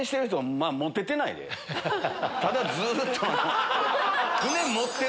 ただずっと。